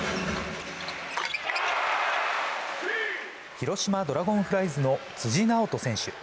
広島ドラゴンフライズの辻直人選手。